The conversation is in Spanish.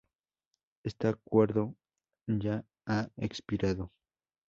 Este acuerdo ya ha expirado.